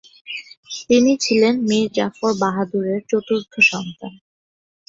তিনি ছিলেন মীর জাফর বাহাদুরের চতুর্থ সন্তান।